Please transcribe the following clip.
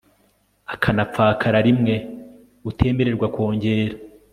akanapfakara rimwe utemererwa kongera